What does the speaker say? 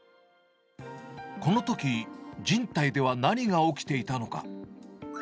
このとき、人体では何が起きていたのか。